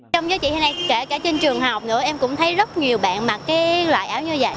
trong giới trị thế này kể cả trên trường học nữa em cũng thấy rất nhiều bạn mặc cái loại áo như vậy